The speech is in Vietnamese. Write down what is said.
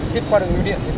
ship qua đường nguyễn điện